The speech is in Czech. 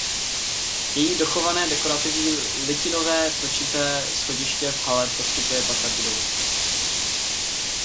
Její dochované dekorativní litinové točité schodiště v hale prostupuje patra budovy.